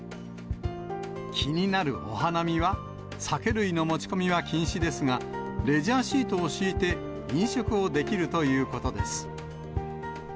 気になるお花見は、酒類の持ち込みは禁止ですが、レジャーシートを敷いて、飲食をできるということです。